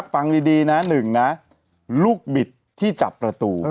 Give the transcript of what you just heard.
ฟังดีนะ๑นะลูกบิดที่จับประตู